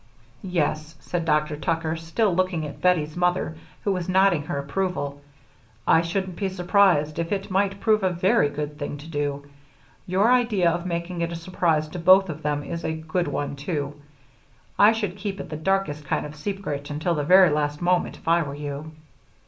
"Yes," said Dr. Tucker, still looking at Bettie's mother, who was nodding her approval, "I shouldn't be surprised if it might prove a very good thing to do. Your idea of making it a surprise to both of them is a good one, too. I should keep it the darkest kind of secret until the very last moment, if I were you."